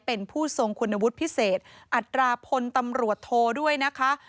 เป็นผู้ทรงคุณวุฒิพิเศษอัตราพลตำรวจโทด้วยนะคะ